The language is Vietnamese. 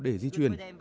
để di chuyển